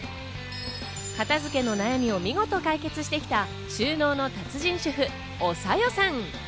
片付けの悩みを見事解決してきた収納の達人主婦おさよさん。